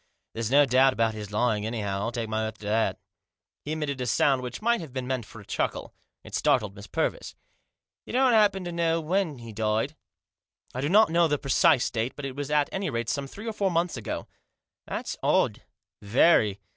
There's no doubt about his lying, anyhow, I'll take my oath to that" He emitted a sound which might have been meant for a chuckle. It startled Miss Purvis. "You don't happen to know when he died ?"" I do not know the precise date, but it was at any rate some three or four months ago." " That's odd, very.